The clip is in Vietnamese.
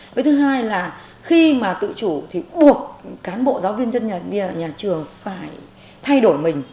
với thứ hai là khi mà tự chủ thì buộc cán bộ giáo viên dân nhà trường phải thay đổi mình